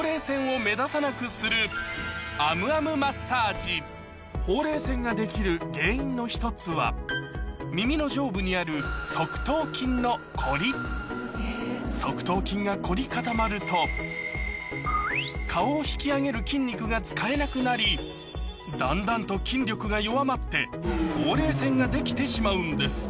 目立たなくするほうれい線ができる原因の１つは耳の上部にある側頭筋の凝り側頭筋が凝り固まると顔を引き上げる筋肉が使えなくなりだんだんと筋力が弱まってほうれい線ができてしまうんです